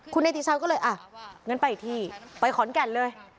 คุณเนติชาวก็เลยอ่ะงั้นไปอีกที่ไปขอนแก่นเลย